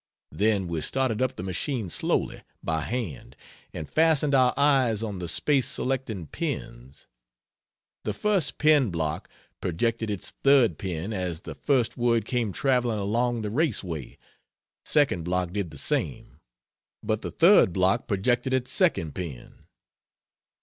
Then we started up the machine slowly, by hand, and fastened our eyes on the space selecting pins. The first pin block projected its third pin as the first word came traveling along the race way; second block did the same; but the third block projected its second pin!